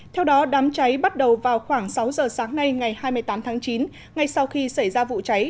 theo đó đám cháy bắt đầu vào khoảng sáu giờ sáng nay ngày hai mươi tám tháng chín ngay sau khi xảy ra vụ cháy